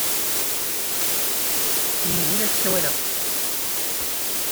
Yid-m ay la ssawaleɣ!